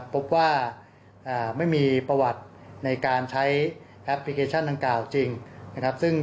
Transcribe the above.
พบว่าไม่มีประวัติในการใช้แอพพลิเคชั่นจริง